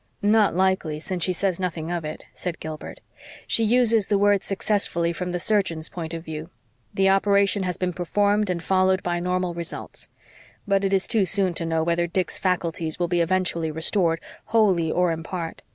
"Not likely since she says nothing of it," said Gilbert. "She uses the word 'successfully' from the surgeon's point of view. The operation has been performed and followed by normal results. But it is too soon to know whether Dick's faculties will be eventually restored, wholly or in part.